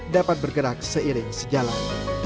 dapat bergerak seiring sejalan